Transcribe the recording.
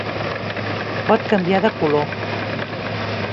Pot canviar de color.